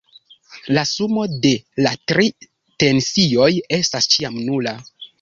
La sumo de la tri tensioj estas ĉiam nula.